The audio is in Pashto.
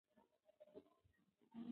د ناروغ پوښتنه کول ښه کار دی.